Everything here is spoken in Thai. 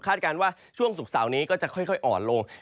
การว่าช่วงศุกร์เสาร์นี้ก็จะค่อยอ่อนลง